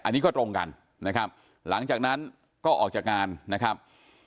อันนี้ก็ตรงกันนะครับหลังจากนั้นก็ออกจากงานนะครับ